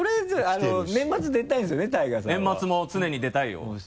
年末も常に出たいよ。